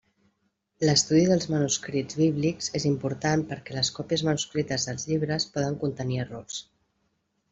L'estudi dels manuscrits bíblics és important perquè les còpies manuscrites dels llibres poden contenir errors.